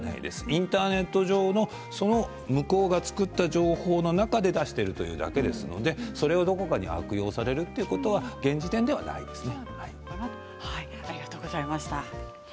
インターネット上の向こうが作った情報の中で出しているというだけでそれをどこかに悪用されるというのは現時点ではありません。